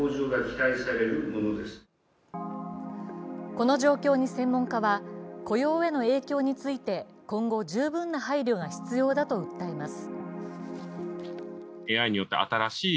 この状況に専門家は雇用への影響について今後、十分な配慮が必要だと訴えます。